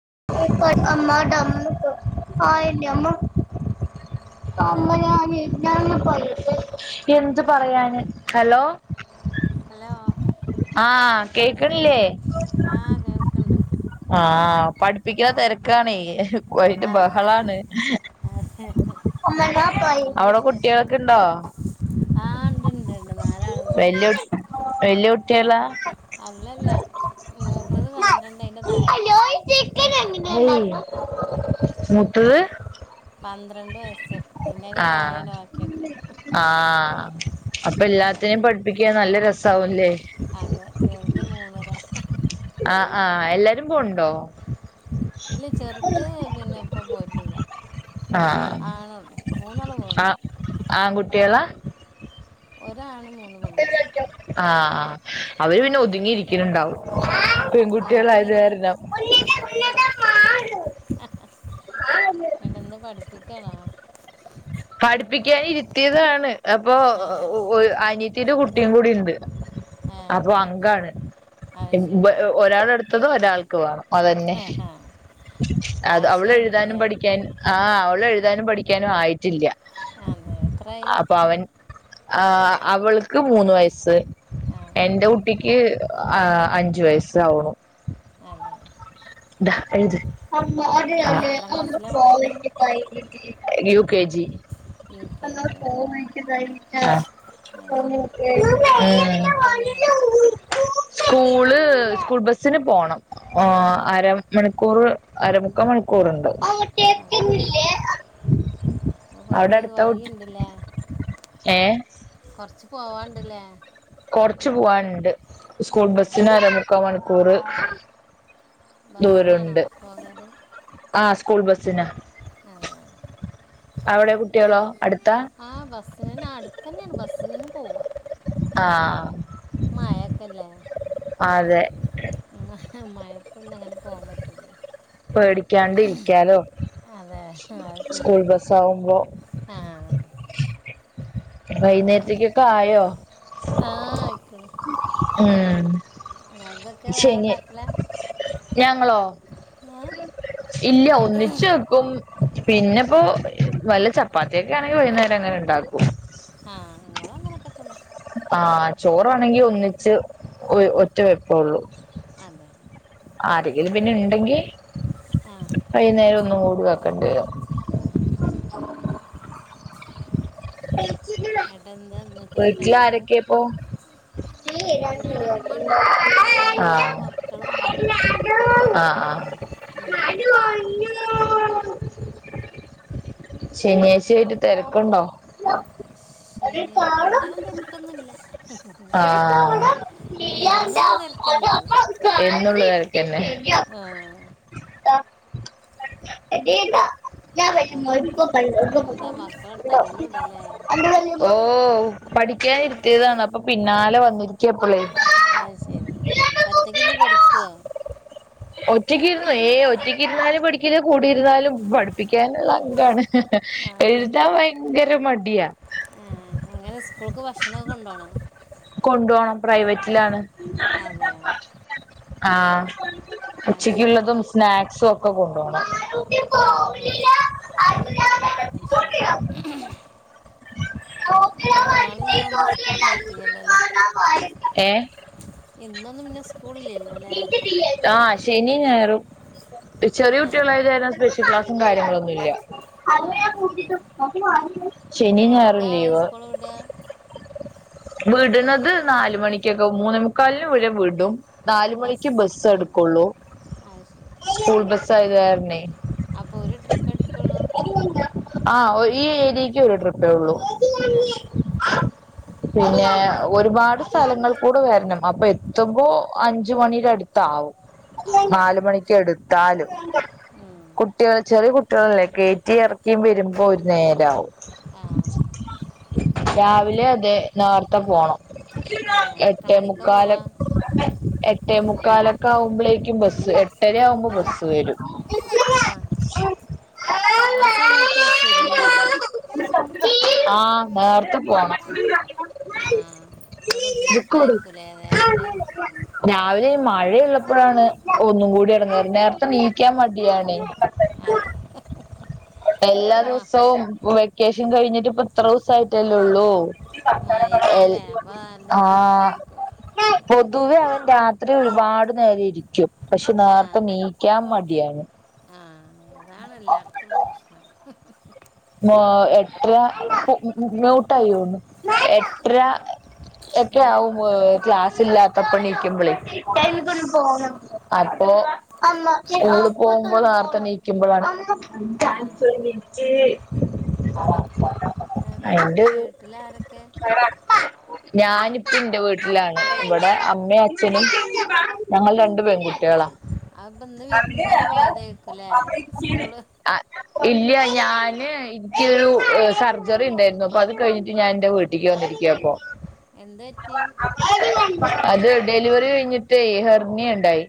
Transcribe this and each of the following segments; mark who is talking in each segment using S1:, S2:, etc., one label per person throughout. S1: [unintelligible] [unintelligible] [unintelligible]
S2: Hello
S1: എന്ത് പറയാന് hello
S2: hello
S1: ആ കേക്കണില്ല്യെ
S2: ആ കേൾക്കുന്നുണ്ട്
S1: ആ പഠിപ്പിക്കാ തെരക്കാണെ ഒയ്ന്റെ
S2: അതെ
S1: ബഹളാണ്
S2: അതെ എന്താ
S1: അവടെ
S2: വിശേഷം
S1: കുട്ട്യോക്കിണ്ടോ
S2: ആ ഉണ്ട് ഉണ്ട് ഉണ്ട് നാലാളുണ്ട്
S1: ബല്യ വല്യുട്ടിളാ
S2: അല്ലല്ല മൂത്തത് പന്ത്രണ്ട് അയി- തായെ
S1: ഹലോ ചിക്കൻ എങ്ങനെ മൂത്തത്
S2: പന്ത്രണ്ട് വയസ് സ് അയിന്റെക്കെ
S1: ആ
S2: തായെയാണ് ബാക്കിയൊക്കെ
S1: അപ്പെല്ലാത്തിനേം
S2: ചെറുത്
S1: പഠിപ്പിക്കാ നല്ലരസാവുല്ലേ
S2: അതെ ചെറുത് മൂന്നര
S1: ആ ആ എല്ലാരുംപോണ്ടോ
S2: ഇല്ല ചെറ്ത് പിന്നെ ഇപ്പ പോയിട്ടില്ല
S1: ആഹ്
S2: ആളൊണ്ടൊ മൂന്നാള്പോവ്ണ്ടൊ
S1: ട്ട്യാള
S2: ഒരാണ് മൂ
S1: [unintelligible] ആ ആ അവര്പിന്നെ ഒതുങ്ങിയിരിക്കണുണ്ടാവും
S2: അതെ നിങ്ങൾക്ക് എങ്ങനെ
S1: പെങ്കുട്ടിളായതുകാരണം
S2: ക്കണാ
S1: കേറി ഇരിത്തീതാണ് അപ്പൊ
S2: അതെ
S1: ഒഒഒഒഒര് അനി ചിരുകുട്ടിയുങ്കൂടിഇണ്ട്
S2: ആ
S1: അതുഅങ്കാണ്
S2: അത് ശരി
S1: [unintelligible] ഒരാളെടു സുഖവൊരാൾക്കുവാ അതന്നേ
S2: ആ ഹാ
S1: അത് അവളെഴുതാനും
S2: വാശിയായിരിക്കുമല്ലേ
S1: പഠിക്കാനും ആ അവളെഴുതാനും പഠിക്കാനുആയി ചില്ല്യാ
S2: അതേ എത്രായി
S1: ആ അവ്ള്ക്ക് മൂന്നുവയസ്സ്
S2: ആ
S1: എൻ്റെകുട്ടിക്ക് ഈ അഅ അഞ്ചുവയസ്സെആവൊള്ളൂ
S2: അതേ
S1: ദാഹ് എഴുത്
S2: എത്രാം ക്ലാസ്സിലാണ് പഠിക്കുന്നത്
S1: യൂകേജി
S2: യു കെ ജി ആ അത് ശരി എവിടെ
S1: ആ
S2: സ്കൂളൊക്കെ അടുത്ത് തന്നെയാണോ
S1: സ്കൂള് സ്കൂൾബെസ്സിനു പോണം ഓഅ
S2: അതെ
S1: അര മണിക്കൂറ് അരമുക്കാമണിക്കൂറ്ണ്ട്
S2: അതേ
S1: അവിടെ
S2: കൊർച്ചിത്
S1: അടുത്ത കുട്ടി
S2: വൈകീണ്ട്ല്ലേ
S1: ഏ
S2: കൊർച് പോവാണ്ട്ല്ലേ
S1: കൊറച്ച് പോവാൻണ്ട്
S2: അതെ
S1: സ്കൂൾബെസ്സിന് അരമുക്കാമണിക്കൂറ്
S2: ബസ്സ്നാണോ പോകാല്
S1: ആ സ്കൂൾ ബെസ്സിനാ
S2: അതേ
S1: കുട്ടികളോ അടുത്താ
S2: ആ ബസ്സിനന്നാടുത്ത്ന്നെയാണ് ബസ്സ് സിനന്നെ പോവാ
S1: ആ
S2: മയ്ഏത്തല്ലേ
S1: അതേ
S2: ആ മയേത്തൊന്നുഅങ്ങനെ പോംപറ്റൂലേ
S1: പേടിക്കാണ്ടിരിക്കാലോ
S2: അതെ അത് ശരിയാണ്
S1: സ്കൂൾബെസ്സാവുമ്പൊ
S2: അങ്ങനെ ഒക്കെ,
S1: ആയോ
S2: ആഹ് ആയി
S1: ഉം
S2: വേറെ
S1: ശനി
S2: ഉണ്ടാക്കലാ
S1: ഞങ്ങളോ
S2: ആ
S1: ഇല്ല ഒന്നിച് വെക്കും പിന്നെപ്പോ
S2: ആ
S1: വല്ല ചപ്പാത്തിക്കെ ണെങ്കി വൈകുന്നേരം അങ്ങനെ ഉണ്ടാക്കും.
S2: ആഹ്, അങ്ങളും അങ്ങനൊക്കത്തന്നേ.
S1: ആ ചോറാണെങ്കി ഒന്നിച്ച് ഒ ഒറ്റ വെപ്പള്ളൂ.
S2: അതെ
S1: ആരെങ്കിലും. പിന്നെ വേണ്ടെങ്കി
S2: ആ
S1: വൈന്നേരം ഒന്നും കൂട കണ്ട്.
S2: ആ ശരി ഏട്ടാ എന്താ ഇന്നത്തെ
S1: വീട്ടില
S2: സ്പെഷ്യല്
S1: ആരൊക്കെപ്പൊ?
S2: ഇവിടെ ഉമ്മ ഉണ്ട് ഞങ്ങൾ
S1: [unintelligible]
S2: നാല് മക്കൾ ഞാൻ
S1: ആ ആ. ശനിയാഴ്ച ആയിട്ട് തെരക്കുണ്ടോ
S2: ശനി അങ്ങനെ തിരക്കൊന്നുമില്ല
S1: ആ
S2: എന്നുള്ള തിരക്കന്നെ ഉള്ളു
S1: എന്നുള്ള തെരെക്കെന്നെ. [inaudible]
S2: ആ
S1: [unintelligible] [unintelligible]
S2: അതന്നെ എന്താ മക്കളോട് തല്ലിടല്ലേ
S1: ഓ ഓ പഠിക്കാനിരുത്തിയതാണ്, അപ്പൊ പിന്നാലെ വന്നിരിക്കപ്പളേ.
S2: അയ്ശെരി, ഒറ്റക്കിരുന്ന് പഠിക്കുവോ?
S1: ഒറ്റക്കിരുന്നു ഏ ഒറ്റക്കിരുന്ന് ആരാ പഠിക്കല് കൂടര്ന്നാലും പഠിപ്പിക്കാനിള്ളങ്കാണ് എഴുതാൻ ഭയ ത്ര മടിയ.
S2: മ്മ് മ്മ് ങ്ങനെ സ്കൂൾക്ക് ഭക്ഷണം കൊണ്ടോണോ.
S1: കൊണ്ടുപോണം പ്രൈവറ്റിലാണ്
S2: അതെ.
S1: ആ
S2: അത് ശരി
S1: ഉച്ചക്കുള്ളതും സ്നാക്സ് ഒക്കെ കൊണ്ടോണം.
S2: ആ ആ അത് ശരി ഇപ്പം നാളെ ഇന്നൊന്നും സ്കൂൾ ഉണ്ടായിട്ടില്ലല്ലോ അല്ലേ ഇന്നൊന്നും പിന്നെ സ്കൂളില്ലല്ലോ അല്ലേ
S1: ഏ ആ ശെനിം, ഞായറും. ചെറിയ
S2: ആ
S1: കുട്ടികളയിലെതാ സ്പെ ക്ലാസും, കാര്ങ്ങളൊന്നുല്ല.
S2: ആ ശരി. എത്ര
S1: ശനി ഞായറും
S2: മണിക്കാ സ്കൂൾ വിടാ?
S1: വീടുണത് നാല് മണിക്കൊക്കെ മൂന്നെ മുക്കാലിനു ഇവലെ വിടും. നാല് മണിക്ക് ബസ് എടുക്കു ള്ളൂ
S2: അത്
S1: സ്കൂൾബസ് അത് കാരണേ [inaudible]
S2: അപ്പൊ ഒരു ട്രിപ്പ് എടുക്കൊള്ളൂ
S1: ആ ഈ ഏരിയയ്ക്ക് ഒരു ട്രിപ്പേ ഉള്ളൂ
S2: ആ ശരി
S1: [unintelligible] പിന്നെ ഒരുപാട് സ്ഥലങ്ങൾ കൂടെ വരണം അപ്പൊ എത്തുമ്പോൾ അഞ്ചുമണിയുടെ അടുത്ത ആവും.
S2: ആ
S1: നാലുമണിക്ക് എടുത്താലും
S2: ഉം.
S1: കുട്ടികളെ ചെറിയ കുട്ടി- അല്ലേ കയറ്റി ഇറക്കിയും വരുമ്പോൾ ഒരു നേരാവും.
S2: ആഹ്
S1: രാവിലെ അതെ നേർത്തേ പോണം.
S2: ഏ എത്ര
S1: എട്ടേ
S2: മണിക്കാ
S1: മുക്കാൽ
S2: പോവാ
S1: എട്ടേ മു- കാല- ക്കാവുമ്പോഴേക്കും ബസ് എട്ടരാവുമ്പോ ബസ് വരും
S2: ആ ആ സമയത്ത് ബസ് വരും അല്ലേ
S1: ആഹ് നേർത്തെ പോണം
S2: ആ അപ്പോൾ
S1: ബുക്ക് വിട്
S2: ബുദ്ധിമുട്ടായിരിക്കും അല്ലേ രാവിലെ
S1: രാവിലെ മഴ ള്ളപ്പോഴാണ് ഒന്നും കൂടി ഇറങ്ങത് നേരത്തെ നീക്കാൻ മടിയണേ
S2: അതെ [unintelligible]
S1: എല്ലാ
S2: അപ്പം മ
S1: ദിവസവും പൊ യാശം കഴിഞ്ഞിട്ട്പ്പ എത്ര ദിവസം ആട്ടല്ലേ ഉള്ളൂ
S2: മഴയൊക്കെ
S1: എൽ
S2: അല്ലേ അപ്പോൾ നല്ല
S1: ആഹ്
S2: ബുദ്ധിമുട്ടായിരിക്കും
S1: പൊതുവെ രാത്രി ഒരുപാട് എന്തായാലും ഇരിക്കും പക്ഷെ നേരത്തെ
S2: ആഹ്
S1: നീക്കാൻ മടിയാണ്
S2: ആഹ് അതാണ് എല്ലാടത്തുള്ള പ്രശ്നം
S1: ഉം എത്ര മ്യൂട്ടായിോന്ന് എത്ര എക്കെ
S2: ഏ
S1: ആഹ് ക്ലസ് ഇല്ല തപ്പണിക്കുമ്പളി
S2: ആ ശരി
S1: [unintelligible] സ്കൂിൽ പോകുമ്പോ നയിക്കുമ്പോഴാണ്
S2: ആ
S1: [unintelligible] [unintelligible]
S2: എന്ത
S1: അയിന്റെ
S2: എന്നിട്ട്
S1: ഒരു
S2: വീട്ടില ആരൊക്കെ
S1: ഞാനിപ്പ എന്റെ വീട്ടിലാണ് ഇവിടെ
S2: ആ അതെ
S1: അമ്മയും അച്ഛനും ഞങ്ങൾ രണ്ട് പെണ്ണ് കുട്ടികളാ
S2: അ ഇപ്പൊ ഇന്ന് വിരന്ന്ന്നല് പോയതരിക്കൂല്ലേ സ്കൂള്
S1: ആ ഇല്ല ഞാന് എനക്കരു സർജറി ഉണ്ടായിരുന്നു അപ്പൊ അത് കഴിഞ്ഞിട്ട് ഞാൻ എന്റെ വീട്ടിലക്ക് വന്നിരിക്കുവ അപ്പൊ
S2: എന്ത് പറ്റി
S1: [unintelligible] അത് ഡെലിവറി കഴിഞ്ഞിട്ട് ഹെർണിയ ഇണ്ടായി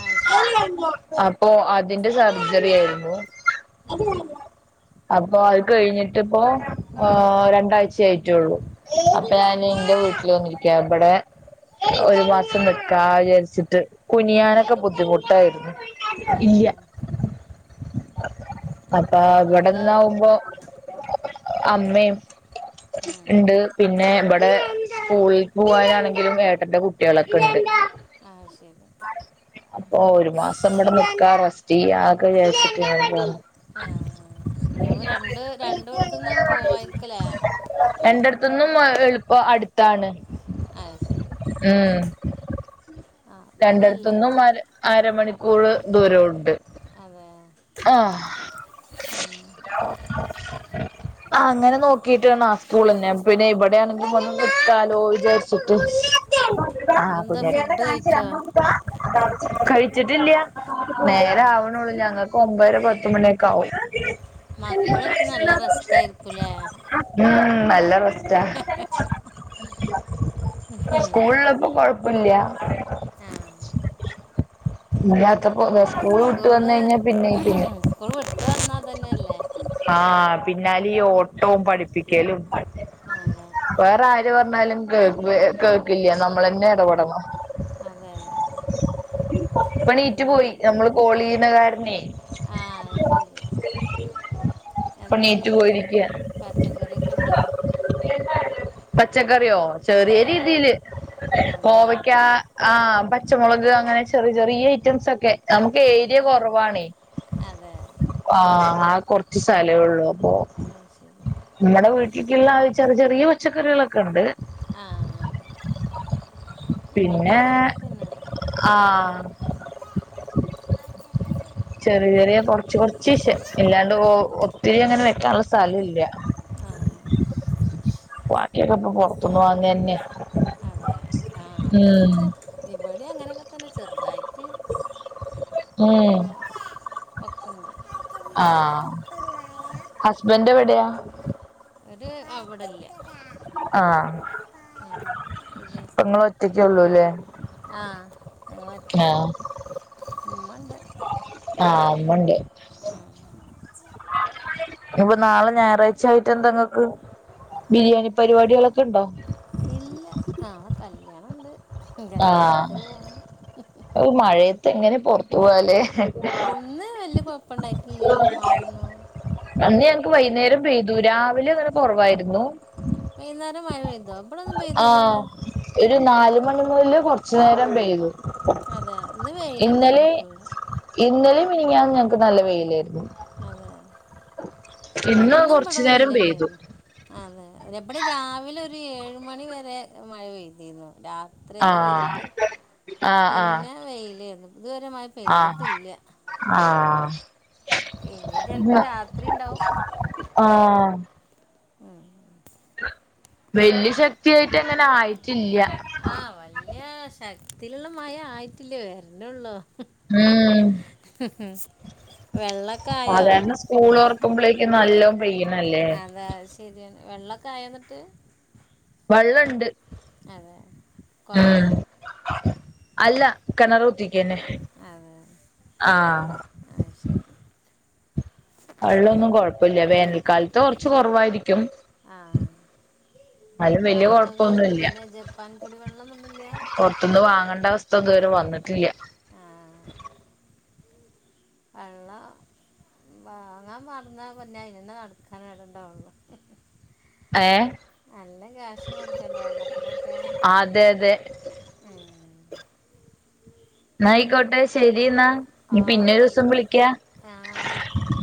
S2: ആ ശരി
S1: അപ്പൊ അതു പിന്നെ സർജറി ആയിരുന്നു
S2: ആ
S1: അപ്പൊ അത് കഴിഞ്ഞിട്ട്പ്പൊ രണ്ടായ്ച് ആയിട്ടുള്ളു അപ്പ
S2: അതെ
S1: ഞാൻ ഇന്റെ വീട്ടിൽ വന്നിരിക്കാർന്നു ഇവിടെ ഒരു മാസം നിക്കാ വിചാരിച്ചിട്ട് കുനിയാൻ
S2: ആ
S1: ഒക്കെ ബുദ്ധിമുട്ട് ആയിരുന്നു
S2: അതെ
S1: ഇല്യ അപ്പ
S2: അത് ശരി
S1: ഇവിടെ-
S2: അതാ
S1: അതാവുമ്പോ- അമ്മെയും
S2: ഉം.
S1: ഇണ്ട് പിന്നെ ഇവിടെ ഇവിടെ സ്കൂള്ക്ക് പോകാണെങ്കിലും ഏട്ടന്റെ കുട്ടികൾ ഒക്കെ ഉണ്ട്
S2: അത് ശെരി
S1: ഓ ഒരു മാസം ഇവിടെ നിക്ക റസ്റ്റ്‌ ചെയ്യാ അതൊക്കെ വിചാരിച്ചിട്ട് ഇങ്ങട്ട് പോന്നതാണ്
S2: ഹേ അപ്പ രണ്ട് രണ്ടോഡിത്തും നിന്നും പോവായിരിക്കുംല്ലെ
S1: ഇവിടന്ന് എളുപ്പം അടുത്താണ്
S2: അത് ശെരി
S1: രണ്ടോടത്തുനിന്നും അര മണിക്കൂർ സ്കൂൾ ദൂരമുണ്ട്
S2: അതെ
S1: ആ
S2: ഉം.
S1: [unintelligible] അങ്ങനെ നോക്കീട്ടു ആണ് സ്കൂളെന്നെ പിന്നെ ഇവിടെ ആണെങ്കിൽ വന്ന് നിക്കാലോ വിചാരിച്ചിട്ട്- ആ
S2: ഇതെന്താ
S1: പുതിയ
S2: ഫുഡ് കഴിച്ചോ
S1: [inaudible] കഴിചിട്ടില്ല
S2: ഉം.
S1: നേരം ആവൂന്നൊള്ളു ഞങ്ങൾക്ക് ഒമ്പത് അര പത്തു മണി ഒക്കെ ആവും
S2: മക്കളയ്റ്റ് നല്ല റസ്റ്റ്‌ ആയിരിക്കും അല്ലെ
S1: ഉം നല്ല റെസ്റ്റാ
S2: ഉം.
S1: സ്കൂൾ ഉള്ളപ്പോ കൊയപ്പല്യ [inaudible]
S2: ആ
S1: [inaudible] ഇല്ലാത്തപ്പോ വേറെ - സ്കൂൾ വിട്ട് വന്ന് കഴിഞ്ഞാൽ എന്നാൽ പിന്നെ [unintelligible]
S2: പ്പവന്നാതനല്ലേ
S1: ആഹ് പിന്നാലെ ഈ ഓട്ടോം പഠിപ്പിക്കലും
S2: അതെ
S1: വേറെആരു പറഞ്ഞാലും കേക്കില്ല നമ്മളെന്നെ എടപെടണം
S2: അതെ
S1: [inaudible] പ്പണീറ്റ്
S2: എന്താ വീ
S1: പോയി നമ്മള് കോള്യ്യിണ കാര [unintelligible]
S2: ആ അത് ശെരി
S1: ഇപ്പ
S2: എന്താ
S1: നീറ്റ്
S2: വീട്ടിൽ
S1: പോയിരിക്ക
S2: പച്ചക്കറിക്കെണ്ടോ
S1: പച്ചക്കറിയോ? ചെറിയാരീതീല്
S2: അതെ
S1: കോവക്ക ആഹ് പച്ചമോളക് അങ്ങനെ ചെറിചെറിയ ഐറ്റംസൊക്കെ നമുക്ക്
S2: ആ
S1: ഏരിയ കൊറവാണെ
S2: അതെ
S1: ആ കൊറ്ച്ച്സ്ഥലേ ഒള്ളൂ അപ്പോ
S2: അത് ശരി
S1: ഇങ്ങടെ വീട്ടി [unintelligible] ളായി ചെറ്ചെറിയ പച്ചക്കറികളൊക്ക്‌ണ്ട്
S2: ആഹ് ആഹ്
S1: പിന്നേ
S2: തന്നെയാണ്
S1: ആഹ് ചെറിയചെറിയ കൊറച്ച്കൊറച്ച് ഷെ അല്ലാണ്ടെ ഒത്തിരിയങ്ങനെ വെക്കാനൊള്ള സ്ഥലവില്ല
S2: ആ
S1: വാക്കിക്കപ്പോ പൊറത്ത്ന്ന് വാങ്ങന്നെയാ
S2: അതെ ആ അതെന്നെ ഇവെടിം അങ്ങനെയൊക്കെത്തന്നെ ചെറുതായിട്ട്
S1: ഉം
S2: മൊ ഒക്കെണ്ട്
S1: ആ ഹസ്ബൻഡ് എവടെയാ
S2: ഓര് അവടല്ല
S1: ആഹ് ഇപ്പങ്ങളൊറ്റകൊള്ളൂ ലെ
S2: ആഹ് ഞങ്ങളൊറ്റക്ക് ഇമ്മണ്ട്
S1: ആഹ് ഇമ്മണ്ട് അപ്പോ നാളെ ഞായറാഴ്ചായിട്ട് എന്താ ഇങ്ങക്ക് ബിരിയാണി പരിപാട്യേളെകെഇണ്ടോ
S2: ഇല്ല നാളെ കൽ ല്യാണണ്ട്
S1: ആഹ് ഒരുമഴേം എങ്ങനെ പൊറ്ത്ത്പോവാലെ
S2: ഇന്ന് വല്യ കൊഴപ്പണ്ടായിട്ടില്ലല്ലോ മഴയൊന്നും
S1: അന്ന് ഞങ്ങക്ക് വൈന്നേരം പെയ്തു രാവിലെ ഇവടെ കൊറവായിരുന്നു
S2: വൈന്നാരം മയപെയ്തോ ഇബടൊന്നും പെയ്തില്ലല്ലോ
S1: നാലുമണി കൊറച്ച് നേരം പെയ്തു
S2: അതെ, ഇന്ന് വെയിലെന്നെര്ന്നു ഫുള്ള്
S1: മിനിയാന്ന് ഞങ്ങൾക്ക് നല്ല വെയിലേർന്നു
S2: അതെ
S1: ഇന്ന്
S2: ഇന്നും
S1: കൊറച്ചു
S2: വടെ
S1: നേരം പെയ്തു
S2: വെയ്‌ലെനെന്നു അതെ ബടെ രാവിലെ ഒര് ഏഴു മണിവരെ മഴ പെയ്തിന്നു രാത്രിക്കെ
S1: ആഹ്
S2: പെയ്തിട്ട് പിന്നെ വെയ്ലേന്നു
S1: ആ ആ ആ
S2: ഇഞ് ചെല് പ്പോ രാത്രിണ്ടാവും
S1: ആഹ് വല്യ ശക്തിയായിട്ടങ്ങനെ ആയിട്ടില്ല
S2: ആ വല്യ ശക് ത്തില്ള്ള മഴ ആയിട്ടില്ല വര് നൊള്ളൂ
S1: ഉം
S2: വെള്ളക്കായോ
S1: ക്കുമ്പളേക്കും നല്ലോം പെയ്യണല്ലേ
S2: അതാ അഅ് ശെര്യാണ് വെള്ളക്കായോന്നിട്ട്
S1: വള്ളണ്ട്
S2: അതെ കോയലാ
S1: അല്ല കെണറ് കുത്തി ണ് ആ
S2: ആ ശരി
S1: വെള്ളാന്നും കൊഴപ്പല്ല വേനൽക്കാലത്ത് കൊറ്ച്ച് കൊറവായിരി
S2: ആ
S1: എന്നാലും വല്യ
S2: അപ്പോ ങ്ങക്ക്
S1: കൊഴപ്പൊന്നുല്ല
S2: പിന്നെ ജപ്പാൻ കുടിവെള്ളൊന്നൊന്നുല്യ
S1: ടാസ്ഥ ത് വരെ വന്നിട്ടില്യ
S2: വള്ളം വാങ്ങാ നടന്നാ പിന്നെ അയ്നന്നെ നടക്കാൻ എടണ്ടാവൊള്ളൂ
S1: ഏ
S2: നല്ല ക്യാഷ് കൊട്ക്കേണ്ടെ വെള്ളത്തിനൊക്കെ
S1: അതെ അതെ
S2: ഏ
S1: ന്നാ ആയിക്കോട്ടെ ശെരിന്നാ നി പിന്നെ
S2: ഓക്കെ
S1: ഒരിസം വിളിക്കാ
S2: ആ ആയിക്കോട്ടെ